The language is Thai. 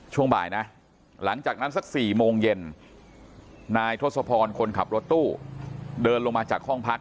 ช่วงบ่ายนะหลังจากนั้นสัก๔โมงเย็นนายทศพรคนขับรถตู้เดินลงมาจากห้องพัก